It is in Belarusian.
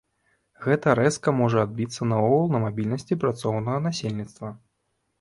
Гэта рэзка можа адбіцца наогул на мабільнасці працоўнага насельніцтва.